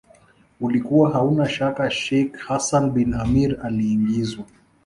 ulikuwa hauna shaka Sheikh Hassan bin Amir aliingizwa